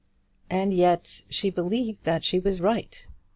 And yet she believed that she was right.